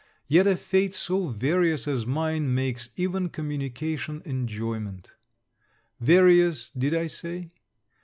Yet a fate so various as mine makes even communication enjoyment. Various, did I say?